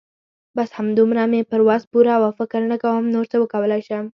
بس همدومره مې پر وس پوره وه. فکر نه کوم نور څه وکولای شم.